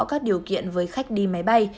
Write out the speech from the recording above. các điều kiện với khách đi máy bay